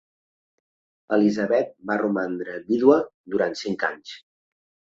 Elisabet va romandre vídua durant cinc anys.